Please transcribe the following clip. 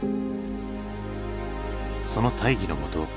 その大義のもと